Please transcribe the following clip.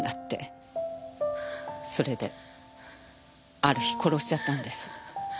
それである日殺しちゃったんです。